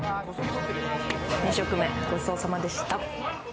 ２食目、ごちそうさまでした。